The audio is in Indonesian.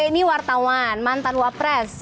ini wartawan mantan wapres